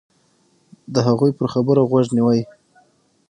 د هغوی پر خبرو غوږ نیوی.